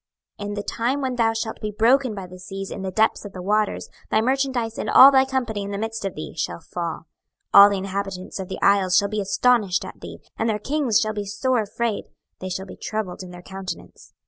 26:027:034 In the time when thou shalt be broken by the seas in the depths of the waters thy merchandise and all thy company in the midst of thee shall fall. 26:027:035 All the inhabitants of the isles shall be astonished at thee, and their kings shall be sore afraid, they shall be troubled in their countenance.